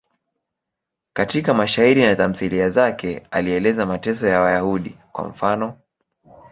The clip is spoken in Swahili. Katika mashairi na tamthiliya zake alieleza mateso ya Wayahudi, kwa mfano.